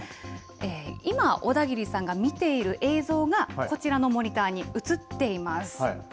今、小田切さんが見ている映像がこちらのモニターに映っています。